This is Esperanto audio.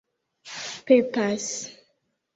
pepas